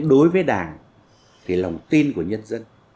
đối với đảng thì lòng tin của nhân dân